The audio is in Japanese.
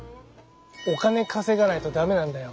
お金稼がないと駄目なんだよ。